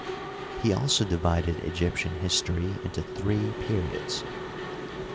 He also divided Egyptian history into three periods: I.